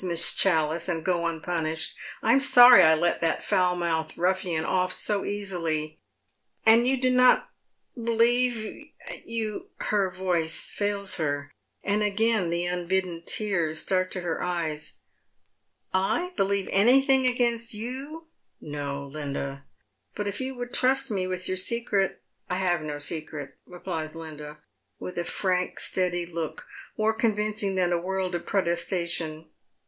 Miss ChalUce, aftd go unpunished. I'm sorry I let that foul mouthed ruffian off so easily." " And you do not beheve you " Her voice fails her, and again the unbidden tears start to her eyes. "I believe anj thing against you? No, Linda. But if you would trust me with your secret "" I have no secret," replies Linda, with a frank, steady look, more convincing than a world of protestation.